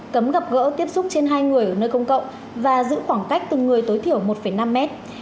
cấm gặp gỡ tiếp xúc trên hai người ở nơi công cộng và giữ khoảng cách từng người tối thiểu một năm mét